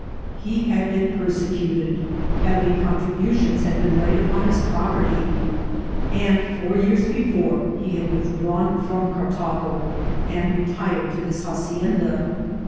He had been penecnted^ haaTj oontribndons had been laid upon his property, and four years before he bad withdrawn firom Cartago and retired to this hacienda.